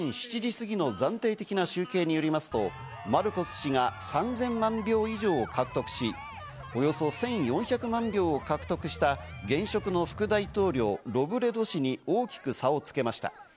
日本時間、午前７時すぎの暫定的な集計によりますと、マルコス氏が３０００万票以上を獲得し、およそ１４００万票を獲得した現職の副大統領・ロブレド氏に大きく差をつけました。